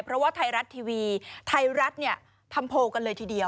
เพราะว่าไทยรัฐทีวีไทยรัฐเนี่ยทำโพลกันเลยทีเดียว